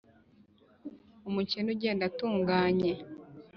umukene ugenda atunganye,